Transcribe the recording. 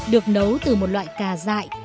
được nấu từ một loại cà dại